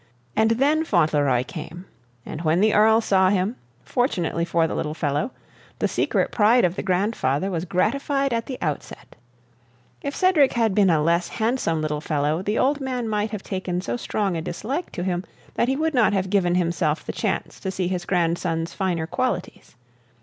And then Fauntleroy came; and when the Earl saw him, fortunately for the little fellow, the secret pride of the grandfather was gratified at the outset. If Cedric had been a less handsome little fellow, the old man might have taken so strong a dislike to him that he would not have given himself the chance to see his grandson's finer qualities.